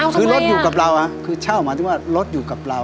คือรถอยู่กับเราคือเช่าหมายถึงว่ารถอยู่กับเรา